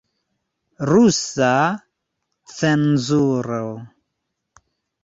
Rusa cenzuro.